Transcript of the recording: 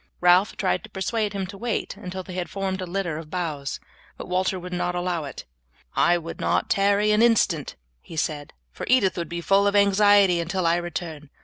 Ralph tried to persuade him to wait until they had formed a litter of boughs, but Walter would not allow it. "I would not tarry an instant," he said, "for Edith will be full of anxiety until I return.